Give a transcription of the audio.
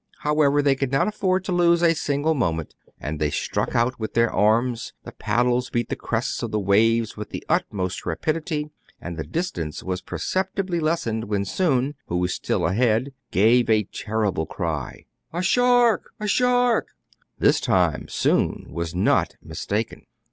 However, they could not afford to lose a single moment; and they struck out with their arms, the paddles beat the crest of the waves with the ut most rapidity, and the distance was perceptively lessening, when Soun, who was still ahead, gave a terrible cry :—" A shark ! a shark !" This time Soun was not mistaken.